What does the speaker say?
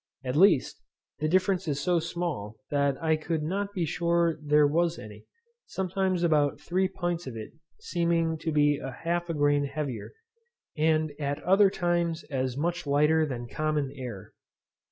At least, the difference is so small, that I could not be sure there was any; sometimes about three pints of it seeming to be about half a grain heavier, and at other times as much lighter than common air.